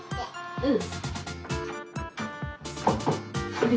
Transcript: うん。